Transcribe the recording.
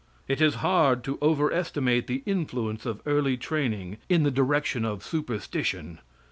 It is hard to overestimate the influence of early training in the direction of superstition.